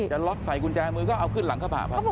จะล็อคใส่กุญแจมือก็เอาขึ้นหลังข้าวผ่าเพราะ